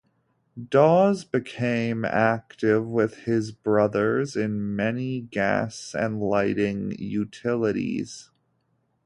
Dawes became active with his brothers in many gas and lighting utilities.